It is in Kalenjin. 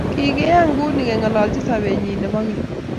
kiyaigei kuuni kinyalilchi sobet nyin nebo keny.